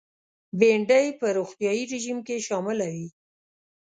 بېنډۍ په روغتیایي رژیم کې شامله وي